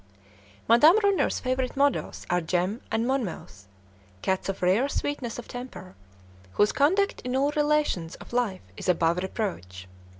Madame Ronner's favorite models are "Jem" and "Monmouth," cats of rare sweetness of temper, whose conduct in all relations of life is above reproach.